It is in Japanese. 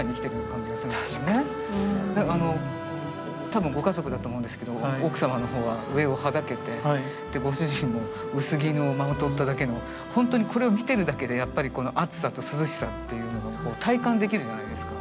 多分ご家族だと思うんですけど奥様の方は上をはだけてご主人も薄着をまとっただけのほんとにこれを見てるだけでやっぱりこの暑さと涼しさっていうのを体感できるじゃないですか。